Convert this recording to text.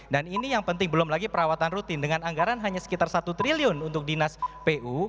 dan ini yang penting belum lagi perawatan rutin dengan anggaran hanya sekitar satu triliun untuk dinas pu